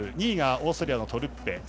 ２位がオーストリアのトルッペ。